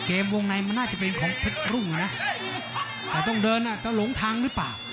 วงในมันน่าจะเป็นของเพชรรุ่งนะแต่ต้องเดินอาจจะหลงทางหรือเปล่า